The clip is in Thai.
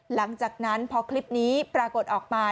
หลังจากนั้นพอคลิปนี้ปรากฏออกมา